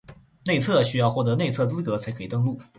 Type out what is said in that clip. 内测需要获得内测资格才可以登录